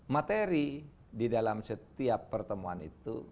materi di dalam setiap pertemuan itu